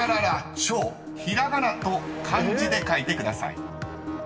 ［ひらがなと漢字で書いてください］